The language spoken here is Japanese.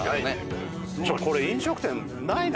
これ飲食店ないな。